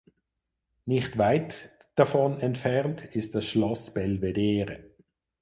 Nicht weit davon entfernt ist das Schloss Belvedere.